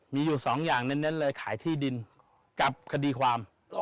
มีอยู่สองอย่างเน้นเลยขายที่ดินกับคดีความ